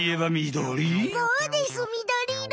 そうですみどり色。